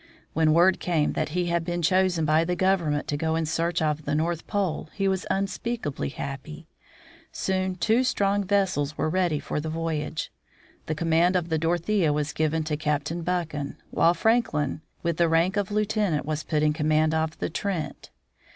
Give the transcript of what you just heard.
When word came that he had been chosen by the government to go in search of the North Pole, he was unspeakably happy. Soon two strong vessels were ready for the voyage. The command of the Dorothea was given to Captain Buchan, while Frank Glacier, English Bay, Spitzbergen. lin, with the rank of lieutenant, was put in command of the Trent.